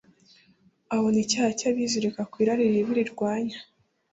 abona icyaha cyabizirika ku irari ribi rirwanya